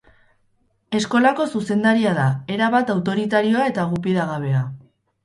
Eskolako zuzendaria da, erabat autoritarioa eta gupida-gabea.